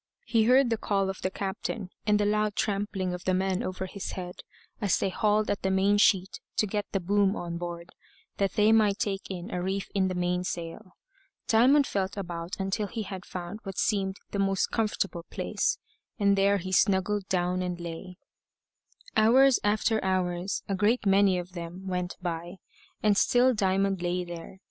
He heard the call of the captain, and the loud trampling of the men over his head, as they hauled at the main sheet to get the boom on board that they might take in a reef in the mainsail. Diamond felt about until he had found what seemed the most comfortable place, and there he snuggled down and lay. Hours after hours, a great many of them, went by; and still Diamond lay there.